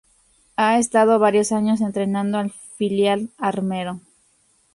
Ha estado varios años entrenando al filial armero.